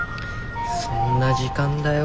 そんな時間だよ。